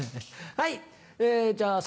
はい。